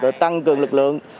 để tăng cường lực lượng